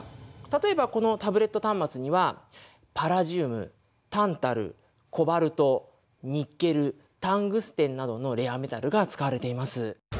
例えばこのタブレット端末にはパラジウムタンタルコバルトニッケルタングステンなどのレアメタルが使われています。